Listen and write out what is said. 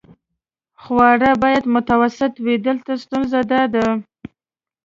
خواړه باید متوسط وي، دلته ستونزه داده.